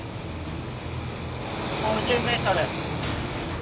５０メートルです。